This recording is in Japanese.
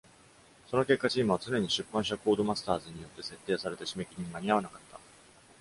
その結果、チームは常に出版社コードマスターズによって設定された締め切りに間に合わなかった。